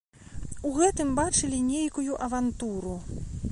У гэтым бачылі нейкую авантуру.